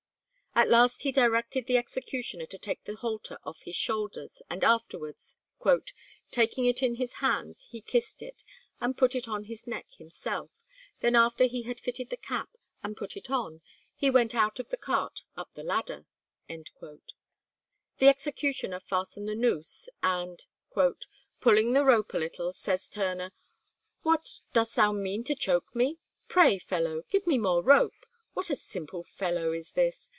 At last he directed the executioner to take the halter off his shoulders, and afterwards, "taking it in his hands, he kissed it, and put it on his neck himself; then after he had fitted the cap and put it on, he went out of the cart up the ladder." The executioner fastened the noose, and "pulling the rope a little, says Turner, 'What, dost thou mean to choke me? Pray, fellow, give me more rope—what a simple fellow is this!